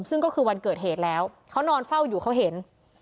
ซึ่งก็คือวันเกิดเหตุแล้วเขานอนเฝ้าอยู่เขาเห็น